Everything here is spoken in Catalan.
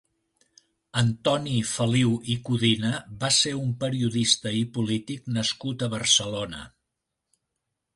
Antoni Feliu i Codina va ser un periodista i polític nascut a Barcelona.